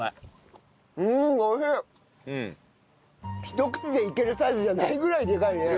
一口でいけるサイズじゃないぐらいでかいね。